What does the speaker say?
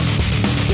gak usah nge